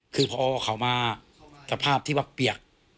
คือพอเขามาสภาพที่ว่าเปียก